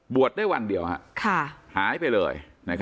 ได้วันเดียวหายไปเลย